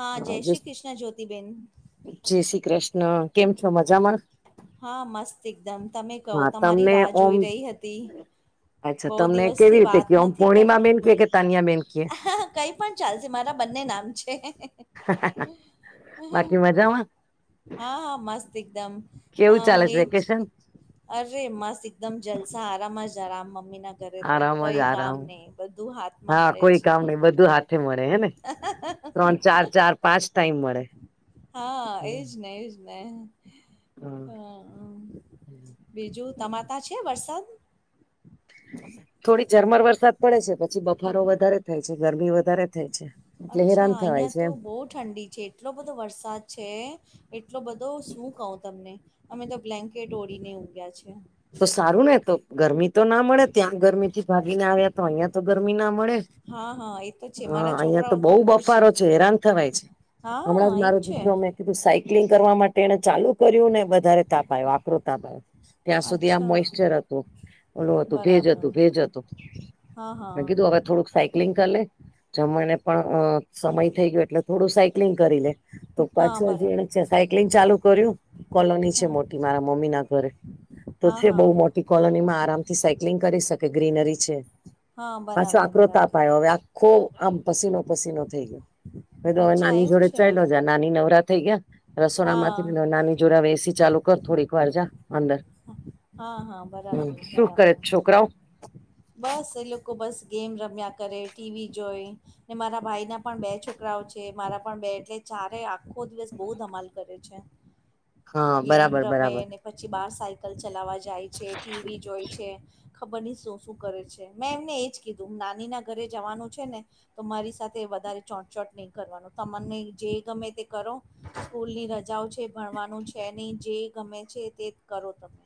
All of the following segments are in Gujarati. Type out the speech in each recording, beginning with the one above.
હા જય શ્રી કૃષ્ણ જ્યોતિબેન જય શ્રી કૃષ્ણ કેમ છો મજામાં? હા મસ્ત એકદમ તમે કહ હા તમારી તમને રાહ ઓમ જોઈ રહી હતી. અચ્છા બહુ તમને કેવી દિવસથી રીતે વાત ક આમ નથી કરી પૂર્ણિમા બેન કે કે તાનિયા બેન કે કઈ, પણ ચાલશે મારા બંને નામ છે. બાકી મજામાં હા હા મસ્ત એકદમ હ કેવું ચાલે હું છે એજ વેકેશન અરે મસ્ત એકદમ જલસા આરામ જ જરામ મમ્મીના ઘરે તો આરામ કઈ જ કામ આરામ નહી બધું હાથમાં હા મળે કોઈ છે. કામ નઈ બધું હાથે મળે હે ને ત્રણ ચાર ચાર પાંચ ટાઈમ મળે હા એજને એજ હા બીજું તમારે ત્યા છે વરસાદ થોડી ઝરમર વરસાદ પડે છે પછી બફારો વધારે થાય છે, ગરમી વધારે થાય છે. એટલે અચ્છા હેરાન થવાય અહિયાં છે તો એમ બહુ ઠંડી છે એટલો બધો વરસાદ છે એટલો બધો શું કહું તમને અમે તો બ્લેન્કેટ ઓઢિને ઉભયા છે. તો સારું ને તો, ગરમી તો ના મળે, ત્યાં ગરમીથી ભાગીને આવ્યા તો અહિયાં તો ગરમી ના મળે. હા હા એ તો છે હા, મારા અહિયાં તો છોકરાઓ બહુ ખુશ બફારો છે, હેરાન થવાય છે. હમણાં હા જ એવું મારો છે દીકરો મેં સાયકલિંગ કરવા માટે એને ચાલુ કર્યું ને વધારે તાપ આવો આકરો તાપ આવ્યો ત્યાં સુધી અચ્છા મોઇસચર હતું ઓલું હતું ભેજ બરાબર હતું ભેજ હતું હા હા મે કીધું હ થોડું સાયક્લિંગ કરી લે જમવાને પણ સમય થઈ ગયો એટલે થોડુ કલિન કરી લે. તો હા પાછું હજી બરાબર એણે છે સાયક્લિંગ ચાલુ કર્યું, કોલોની છે હા મોટી મારા મમ્મીના ઘરે. તો હા છે હા બહુ મોટી કોલોનીમાં આરામથી સાઈક્લિંગ કરી શકે, ગ્રીનરી છે. હા, પાછો બરાબર-બરાબર. [unintelligible] હવે આખો આમ પસીનો-પસીનો થઈ ગયો. મે કીધું તો હવે અચ્છા નાની એવું જોડે છે ચાયલો જા. નાની નવરા થઈ ગયા હા રસોડામાંથી, નાની જોડે હવે એ સી ચાલુ કર, થોડીકવાર જા અંદર. હા, હા. હમ્મ. બરાબર શું કરે બરાબર છ છોકરાવ? બસ એ લોકો બસ લોકો ગેમ રમ્યા કરે, ટી વી જોવે ને મારા ભાઈના પણ બે છોકરાઓ છે, મારા પણ બે એટલે ચારેય આખો દિવસ બહુ ધમાલ કરે છે. હા ગેમ બરાબર રમે, બરાબર ને પછી બાર સાયકલ ચલાવા જાય છે, ટી વી જોઈ છે. ખબર નહીં શું-શું કરે છે. મેં એમને એજ કીધું નાની ના ઘરે જવાનું છે ને તો મારી સાથે વધારે ચોટચોટ નહીં કરવાનું, તમને જે ગમે તે કરો સ્કૂલની રજાઓ છે, ભણવાનું છે નહીં, જે ગમે છે તે જ કરો તમે.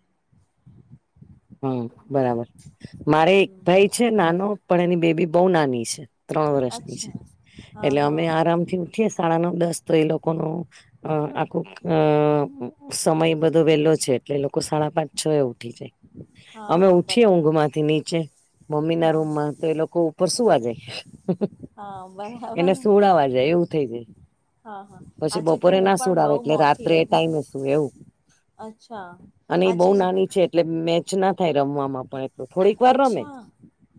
હમ્મ, બરાબર. મારે એક હમ્મ, ભાઈ છે નાનો, પણ એની બેબી બહુ નાની છે. ત્રણ વર્ષની છે. અચ્છા. હા, એટલે હા. અમે આરામથી ઉઠીએ સાડા નવ, દસ તો એ લોકોનો અહ આખું ક સમય બધો વેલો છે, એટલે એ લોકો સાડા પાંચ, છ એ ઉઠી જાય. હા, અમે હા ઉઠીએ બરાબર. ઊંઘ માંથી નીચે મમ્મી ના હા રૂમમાં, હા તો એ લોકો ઉપર સુુંવા જાય. હા બરાબર એને સુવડાવા જાય એવું થઇ જાય. હા હા પછી આજે તો બપોરે હું ના પણ બહુ સુવડાવે, એટલે રાત્રે મોટી ટાઈમે સુવે એવું. અચ્છા. અને એ બહુ આજે જ નાની છે એટલે મેચ ના થાય રમવામાં પ અચ્છા.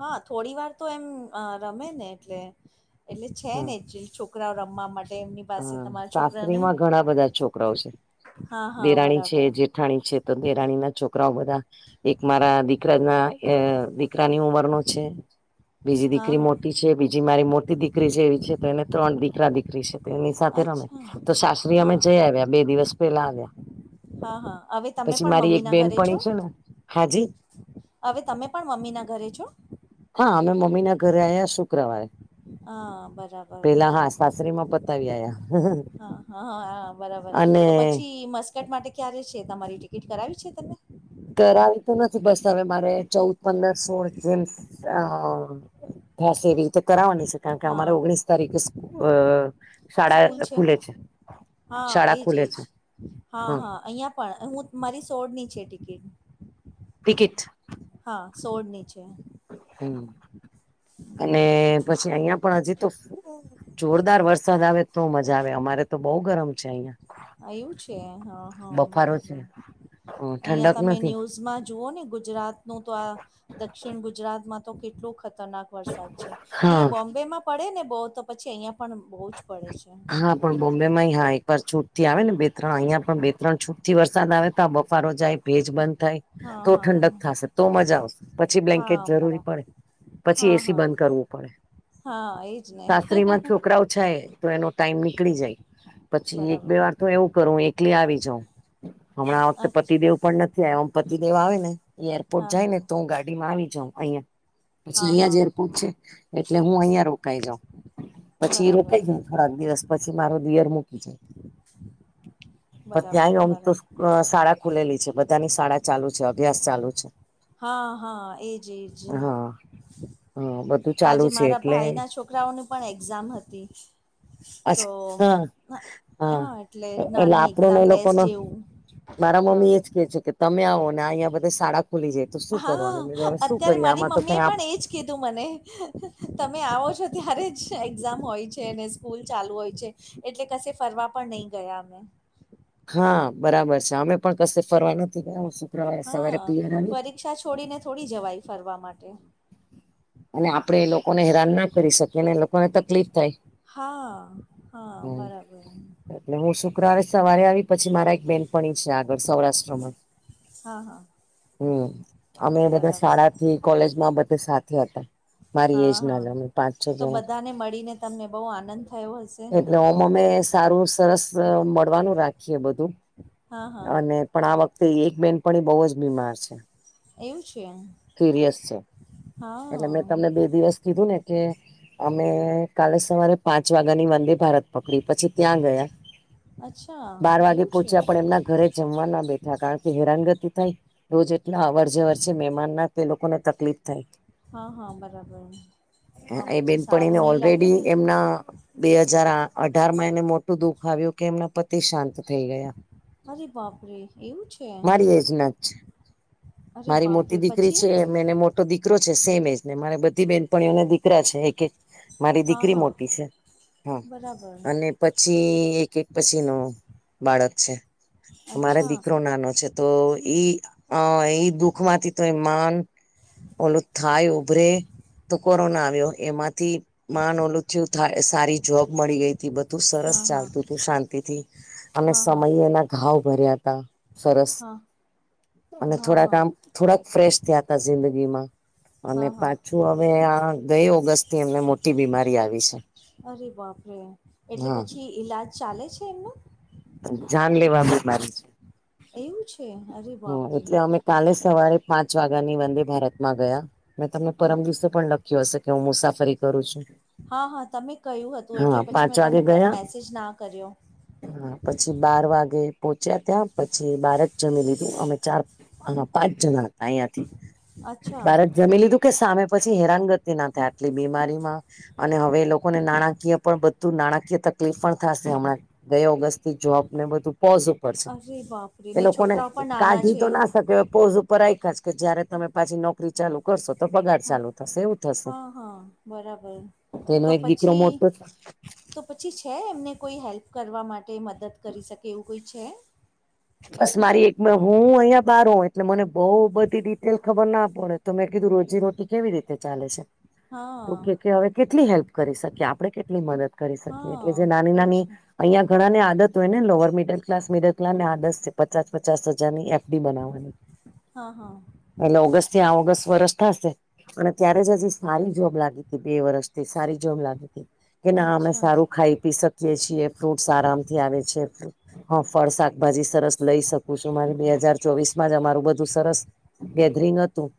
હા થોડી વાર તો એમ રમે ને એટલે એટલે છે હા ને એક્ચ્લી છોકરાવ રમવા માટે એમની પાસે હા તમારા છોકરા ને, સાસરીમાં ઘણા બધા છોકરાઓ હા, હા બરાબર. ઠાણી છે, તો દેરાણીના છોકરાઓ બધા એક મારા દીકરા ના અહ દીકરાની ઉંમરનો છે. બીજી હા દીકરી હા મોટી છે, બીજી મારી મોટી દીકરી છે એવી છે, તો એને ત્રણ દીકરા દીકરી છે. તો એની સાથે રમે. અચ્છા તો સાસરે અમે હા જઈ આવ્યા, બે દિવસ પેલા આયવા. હા, હા. હવે તમે પણ મમ્મી ના ઘરે છો? બેનપણી છે ને હાજી હવે તમે પણ મમ્મી ના ઘરે છો? હા, અમે મમ્મી ના ઘરે આવ્યા શુક્રવારે. હા, પેલા હા બરાબર-બરાબર. સાસરીમાં પતાવી આયા હા, હા, હા બરાબર. અને તો પછી મસ્કટ માટે ક્યારે છે, તમારી ટિકિટ કરાવી છે તમે? કરાવી તો નથી. બસ હવે મારે ચૌદ, પંદર, સોળ જેમ અહ થાશે એવી રીતે કરાવાની છ કારણ કે અમારે હા ઓગણીસ તારીખે સ્ક અહ સ્કૂલ શાળા ને ખુલે છે. હા, શાળા ખુલે એજ-એજ. છે હા, હા અહિયાં પણ, હું મારી સોળની છે ટિકિટ. ટિકિટ હા, સોળ ની છે. હમ્મ, અને પછી અહિયાં પણ હજી તો સ જોરદાર વરસાદ આવે તો મજા આવે. અમારે તો બઉ ગરમ છે અહિયાં. આય છે? હા, હા બફારો છે બરાબર. હ અહિયાં ઠંડક તમે નથી ન્યુઝમાં જ જુઓ ને ગુજરાતનું તો આ દક્ષિણ ગુજરાતમાં તો કેટલું ખતરનાક વરસાદ છે. હા અહિયાં બોમ્બે માં પડે ને બહું, તો પછી અહિયાં પણ બહુ જ પડે છે. હા પણ બોમ્બે માં હા એક વાર છૂટ થી આવે ને બે ત્રણ અહિયાં પણ બે ત્રણ છૂટ થી વરસાદ આવે તો આ બફારો જાય ભેજ બંધ થાય હા તો હા ઠંડક થશે તો મજા આવશે પછી બ્લેન્કેટ હા જરૂરી બરાબર પડે પછી હા એસી હા બંધ કરવું પડે હા એજ ને સાસ્રી માં છોકરાઓ છે તો એનો ટાઈમ નીકળી જાય પછી એક બરાબર બે વાર તો એવું કરું એકલી આવી જાઉ હમણાં વખતે અચ્છા પતિ દેવ પણ નથી આવ્યોમ પતિદેવ આવે ને એરપોર્ટ હા જાય ને તો હું ગાડીમાં આવી જાઉ અહિયાં પછી હા અહિયાં હા જેરપુટ છે એટલે હું અહિયાં રોકાઈ જાઉં પછી રો બરાબર જાય થોડાક દિવસ પછી મારો દીયર મૂકી જાય. પત્યા બરાબર હમ તો બરાબર શાળા ખુલેલી છે બધાની શાળા ચાલુ છે અભ્યાસ ચાલુ છે. હા હા એજ એજ હા હા બધું ચાલુ આજે છે મારા એટલે ભાઈ ના છોકરા છોકરાઓની પણ એક્ઝામ હતી. તો અચ્છા હા હા એટલે એટલે નાની આપણોને એક્ઝામ એ ટેસ્ટ લોકોનો જેવું. મારા હા મમ્મી એજ કે છે કે તમે આવો ને અંયા બધા શાળા ખુલી જાય. તો શું હા કરવાનું બીધું હવે શું અત્યારે કરીએ મારી આમાં તો મમ્મી કઈ એ પણ એજ કીધું મને તમે આવો છો ત્યારે જ એક્ઝામ હોય છે અને સ્કૂલ ચાલુ હોય છે. એટલે કશે ફરવા પણ નહી ગયા અમે. હા બરાબર છે અમે પણ કશે ફરવા નથી ગયા. શુક્રવારે સવારે હા પિયર આવી પરીક્ષા છોડીને થોડી જવાય ફરવા માટે. અને આપણેે એ લોકોને હેરાન ના કરી શકીએ અનેને એ લોકોને તકલીફ થાય. હા હા હમ બરાબર. એટલે હું શુક્રવારે સવારે આવી પછી મારા એક બેનપણી છે, આગળ સૌરાષ્ટ્રમાં હા હા હમ અમે બધા બરાબર શાળાથી કોલેજ માં બધા સાથે હતા. મારી એજ હા ના હા જ અમે પાંચ છ તો જણા બધાને મળીને તમને બહુ આનંદ થયો હશે? મમે સારું સરસ મળવાનું રાખીએ બધું હા હા અને પણ આ વખતે એક બેન પણ બહુ જ બીમાર છે. એવું છે? સીરયસ છે. હા એટલે મેં તમને બે દિવસ કીધું ને કે અમે કાલે સવારે પાંચ વાગ્યા ની વંદે ભારત પકડી પછી ત્યાં ગયા. અચ્છા બાર વાગે એવું છે પહોંચ્યા પણ એમના ઘરે જમવા ના બેઠા કારણ કે હેરાનગતિ થાય રોજ એટલા અવર જવર છે, મહેમાન ના તે લોકોને તકલીફ થાય. હા હા બરાબર. હા એ પછી બેનપણીને સારું નહીં લાગે ઓલરેડી ને એમના બે હજાર અઢારમાં એને મોટું દુઃખ આવ્યું કે એમના પતિ શાંત થઈ ગયા. અરે બાપરે, એવું છે. મારી એજ ના જ છે અરે મારી બાપરે મોટી દીકરી પછી છે, એને મો તો દીકરો છે, સેમ એજ ને મારે બધી બેનપણીઓ દીકરા છે, એક એ મારી હા દીકરી હા મોટી છે. હા. બરાબર અને પછી એક એક પછી નો બાળક છે. તો મારે અચ્છા દીકરો નાનો છે. તો એઈ અ એઈ દુઃખ માંથી તો એ માન ઓલો થાય ઉભરે તો કોરોના આવ્યો. એમાંથી મા ન ઓલું થયું સારી જોબ મળી ગઈ હતી. બધું સરસ હા હા ચાલતું હતું શાંતિથી. અમે હા હા સમયેના ઘાવ ભર્યા હતા. સરસ હા અને હા થોડાક હા આમ થોડાક ફ્રેશ થયા ત જિંદગી માં. અને હા હા પાછું હવે આ ગઈ ઓગસ્ટ થી એમને મોટી બીમારી આવી છે. અરે બાપરે એટલે હા પછી ઈલાજ ચાલે છે, એમનો? જાન લેવા બીમારી છે. એવું છે અરે હા બાપરે. એટલે અમે કાલે સવારે પાંચ વાગ્યાની વંદે ભારતમાં ગયા મેં તમને પરમ અચ્છા. દિવસે પણ લખ હશે કે હું મુસાફરી કરું છું. હા હા તમે કહ્યું હતું હા એટલે પછી પાંચ મેં વાગે તમને ગયા મેસેજ ના કર્યો. હા પછી બાર વાગે પોહોંચ્યા ત્યાં પછી બાર જ જમી લી અમે ચાર હ પાંચ જણા હતા અહિયાયાથી અચ્છા બારત જમી લીધું.? કે સામે પછી હેરાનગતિ ના થાય આટલી બીમારીમાં અને હવે લોકોને નાણાકીય પણ બધું નાણાકીય તકલીફ પણ થશે હમણાં. બે ઓગસ્ટ થી જ જોબ ને બધું પોઝ ઉપર છે અરે બાપરે એ ને લોકોને છોકરાઓ પણ નાના કાઢી છે. તો ના પોઝ ઉપર આયા કે જયારે તમેછી નો છોકરી ચાલુ કરશો તો પગાર હા ચાલુ થશે એવું થશે. હા હા બરાબર તેનો તો એક દીકરો પછી મોટો તો પછી છે. એમને કોઈ હેલ્પ કરવા માટે મદદ કરી શકે એવું કોઈ છે.? બસ મારી એક બે હું અહીં બાર હો એટલે મને બહ બધી ડિટેલ ખબર ના પડે. તો મે કીધું રોજી રટી કેવી રીતે ચાલે છે.? હા તો કે હવે કેટલી હેલ્પ કરી શકીએ આપણે કેટલી મદદ કરી શકીએ એટલે જે નાની હા એ જ નાની ને અહિયાયા ઘણા ને આદત હોય ને લોઅર મિડલ ક્સ મિડલ ક્લાસ ની આદત છે. પચાસ પચાસ હજારની હા હા બનાવાની એલે ઓગસ્ટ થી આ ઓગસ્ટ વરષ થશે અને ત્યારે જ હજી સારી જોબ લાગી હતી બે વર્ષથી સારી જોબ લાગી હતી કે ના અમે અચ્છા સારું ખાઈ પી શક છીએ ફ્રૂટસ આરામથી આવે છે હ ફળ શાકભાજી સરસ લઈ શકું છું મારે બે હજાર ચોવીસ માં જ અમાર બધું સરસ ગેધરિંગ હતું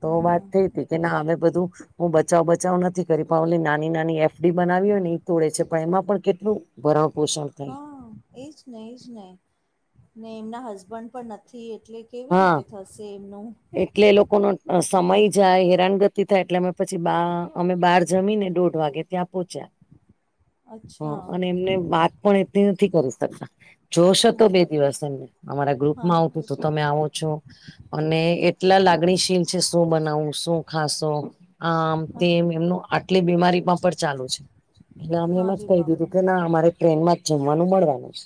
તો હા વાત હા થઈ હતી કે ના અમે બધું હું બચાવ બચાવ નથી કરી પણાવલે નાની નાની એફડી બનાવી હોય ને એ તોડે છે પણ એમાં પણ કેટલું બરાં પોસક હા એજ નને એજ નહી ને એમના હસબન્ડ પણ નથી એટલે કેવી હા રીતે થશે એમનું? એટલે એ લોકોનો સમય જાય હેરાનગતિ થાય એટલે અમે પછી બા અમે બાર જમી ને દોઢ વાગે ત્યાં પોહોચ્યા અચ્છા હ અને એમને પણ એટલી નથી કરી શકતા જોશ હતો હમ બે દિવસ એમને અમારા હા ગ્રુપમાં આવતું તમે આવો છો અને એટલા લાગણીશીલ છે શું બનાવું શું ખાશો? આમ હા તેમ એમનું આટલી બીમારીમાં પણ ચાલુ છે એટલે અમે હા એમ જ રે કહી દીધું બાપા કે ના અમારે ટ્રેન માં જમવાનું મળવાનું છે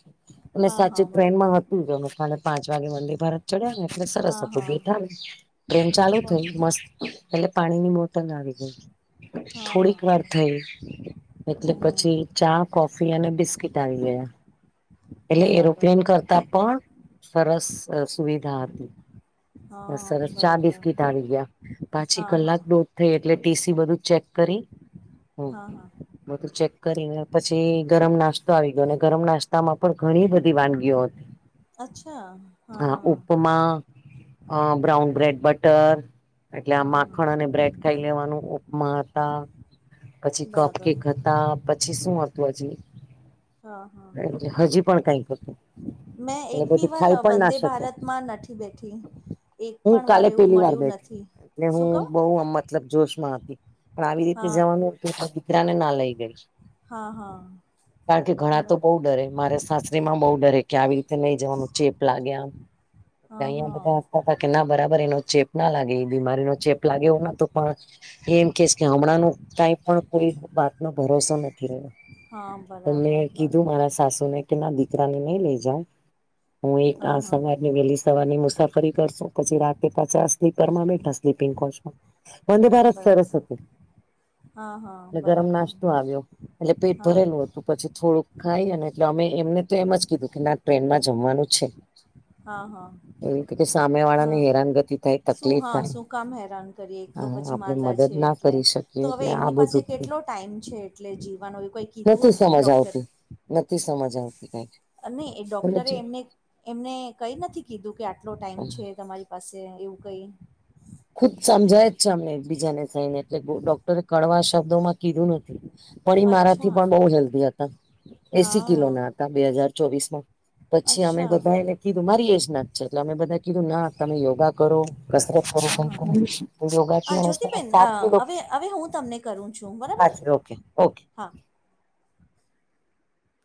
અને હા સાચું હા બરાબર ટ્રેનમાં હતી જને સાં પાંચ વાગે મંદિર ભારત ચડ્યા ને એટલે સરસ હા હતું હા બર બેઠા ટ્રેન ચાલુ થઈ મસ્ત એટલે પાણીની બો આવી ગયું હા હા થોડીક વાર થઈ એટલે હમ હમ પછી ચા કોફી અને બિસ્કીિટ આવી ગયા એટલે બરાબર એરોપ્લેન કરતા પણ સરસ સુવિધા હતી હા સરસ ચા બરાબર બિસ્કીટ આવી ગયા પાછી હા હા કલાક દો થઈ એટલે ટીસી બધું ચેક કરી હા હા બધું ચેક કરીને પછી ગરમ નાસ્તો આવી ગયો ગરમ નાસ્તામાં પણ ઘણી બધી વાનગીઓ હતી. અચ્છા! હા ઉપમા બ્રાઉન બ્રેડ બટર એટલે આ હા માખણ અને બ્રેડ ખાઈ લેવાનું ઉપમા હતા. પછી કફ બરાબર કેક હતા પછી શું હતું હજી હા હા એટલે હજી પણ કઈક હતું મેં એક એટલે બી બધું વાર ખાઈ અ પણ ના વંદે શક્યા ભારતમાં નથી બેઠી એક હું પણ વાર કાલે એવું મળ્યું નથી શું કહું? બ મતલબ જોશમાં હતી પણ આવી રીતે હા જવાનુંું દીકરાને ના લઈ ગઈ. હા હા કારણ કે ઘણા તો બહ ડરે મારે સાચ સ્ત્રીમાં બહુ ડરે કે આવી રીતે નઈ જવાનું ચેપ લાગ્યામ હા અંયા હા બધા કે ના બરાબર એનો ચેપ ના લાગે એ બીમારી ન ચેપ લાગે એ તો પણ એમ કે ગામડાનું કઈ પણ કોઈ વાત ન ભરોસો નથી રહ્યો. હા બર મેં કીધું મારા સાસુને કે ના દીકરાને નઈ લઈ જાય હું એક હા આ હા સમય જે વહેલી સવાર ની મુસાફરી કરશો પછી રાતે પાછા સ્લીપરમાં બેઠા સ્લીપિંગ કોચમાં વંદ ભારત સરસ બરાબર હતું. હા હા એ ગરમ બરાબર નાસ્તો આવ્યો એટલે પેટ હા ભરેલું હતું પછી થોડુંક ખાઈએ ને એટલે અમે એમને તો એમ જ કીધું કે ના ટ્રેનમાં જમવાનું છે. હા હા. એવી રીતે કે સામે વાળાને હા હેરાનગતિ થાય શું તકલીફ હા થાય શું કામ હેરાન કરીએ એક તો હા પછી આપણે માંદા મદદ છે. ના ટલે કરી શકીએ તો હવે એટલે આ એમની પાસે બધું કેટલો ટાઈમ છે એટલે જીવાનો એ કોઈ કીધું નથી હશે ને સમજ ડોક્ટરએ. આવતી નથી સમજ આવતી કઈક. અને એ ડોક્ટરે એમને એમને કઈ નથી કીધું કે આટલો ટાઈમ છે તમારી પસે એવું કઈ ખુદ સમજાય જ છે અમને બીજાને થઈને એટલે બહુ ડોક્ટરે કણવાશ શબ્દોમાં કીધું નથી પણ એ મારાથી અચ્છા પણ બઉ હેલ્ધી હતા એસી કિલો હા ના હતા. તા બે હજાર ચોવીસ માં પછી અમે અચ્છા બધા એને કીધું મારી એજ ના જ છે એટલે અમે બધા કીધું ના તમે યોગા કરો કસરત હા કરો હા યોગા થી હ જ્યોતિબેન સાત કિલો હવે હવે હું તમને કરું છું બરાબર. ઓકે ઓકે હા.